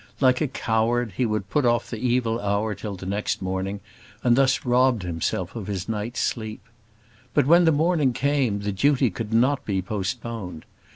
Like a coward, he would put off the evil hour till the next morning, and thus robbed himself of his night's sleep. But when the morning came the duty could not be postponed.